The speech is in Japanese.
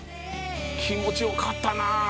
気持ちよかったな。